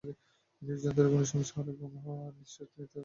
হৃদযন্ত্রে কোনো সমস্যা হলে ঘাম হওয়া, নিঃশ্বাস নিতে কষ্ট, বমি হতে পারে।